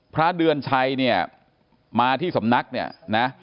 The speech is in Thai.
พระเดือนชัยเนี่ยมาที่สำนักเนี่ยนะ